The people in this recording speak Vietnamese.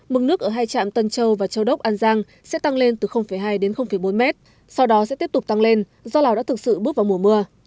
mực nước ở hai trạm tân châu và châu đốc an giang sẽ tăng lên từ hai đến bốn mét sau đó sẽ tiếp tục tăng lên do lào đã thực sự bước vào mùa mưa